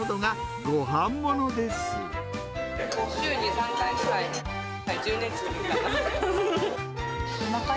週に３回ぐらい。